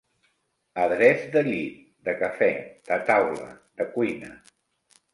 Adreç de llit, de cafè, de taula, de cuina.